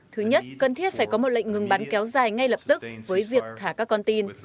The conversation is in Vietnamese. thứ nhất cần thiết phải có một lệnh ngừng bắn kéo dài ngay lập tức với việc thả các con tin